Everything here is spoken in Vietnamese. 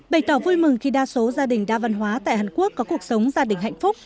bày tỏ vui mừng khi đa số gia đình đa văn hóa tại hàn quốc có cuộc sống gia đình hạnh phúc